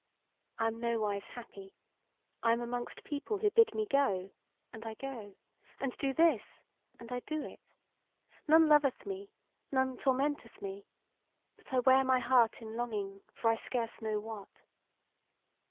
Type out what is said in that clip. I am nowise happy; I am amongst people who bid me go, and I go; and do this, and I do it: none loveth me, none tormenteth me; but I wear my heart in longing for I scarce know what.